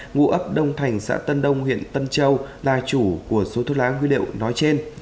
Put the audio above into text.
ngụ ấp đông thành xã tân đông huyện tân châu là chủ của số thuốc lá nguyên liệu nói trên